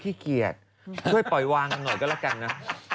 ขี้เกียจช่วยปล่อยวางกันหน่อยก็แล้วกันนะ